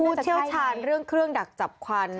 เชี่ยวชาญเรื่องเครื่องดักจับควัน